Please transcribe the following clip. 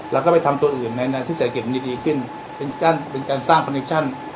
แล้วก็ไปทำตัวอื่นในที่จะเก็บมันดีดีขึ้นเป็นการเป็นการสร้างคอนนิกชั่น